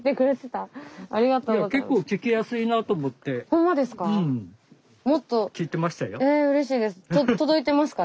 ほんまですか？